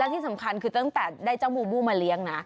ที่สำคัญคือตั้งแต่ได้เจ้าบูบูมาเลี้ยงนะ